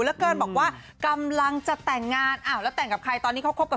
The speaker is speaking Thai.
เหลือเกินบอกว่ากำลังจะแต่งงานอ้าวแล้วแต่งกับใครตอนนี้เขาคบกับ